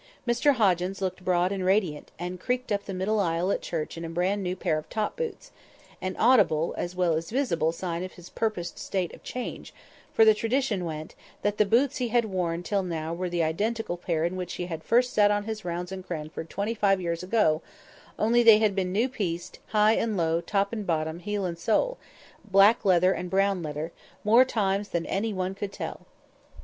Mr Hoggins looked broad and radiant, and creaked up the middle aisle at church in a brand new pair of top boots—an audible, as well as visible, sign of his purposed change of state; for the tradition went, that the boots he had worn till now were the identical pair in which he first set out on his rounds in Cranford twenty five years ago; only they had been new pieced, high and low, top and bottom, heel and sole, black leather and brown leather, more times than any one could tell.